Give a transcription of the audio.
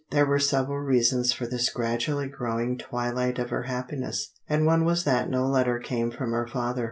There were several reasons for this gradually growing twilight of her happiness, and one was that no letter came from her father.